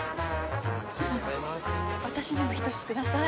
私にも１つください。